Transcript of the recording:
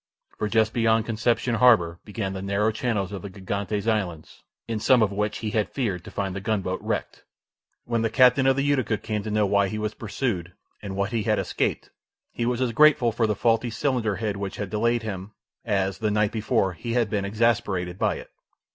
For just beyond Concepcion harbour began the narrow channels of the Gigantes Islands, in some of which he had feared to find the gunboat wrecked. When the captain of the Utica came to know why he was pursued, and what he had escaped, he was as grateful for the faulty cylinder head which had delayed him as, the night before, he had been exasperated by it.